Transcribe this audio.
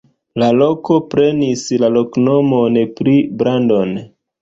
La loko prenis la loknomon pri Brandon.